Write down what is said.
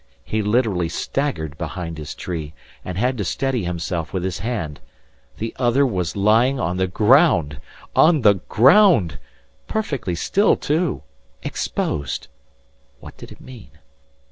He literally staggered behind his tree, and had to steady himself with his hand. The other was lying on the ground on the ground! Perfectly still, too! Exposed! What did it mean?...